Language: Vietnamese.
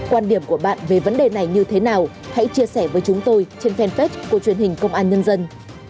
quan điểm của bạn về vấn đề này như thế nào hãy chia sẻ với chúng tôi trên fanpage của truyền hình công an nhân dân